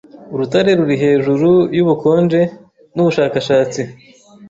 Urutare ruri hejuru yubukonje nubushakashatsi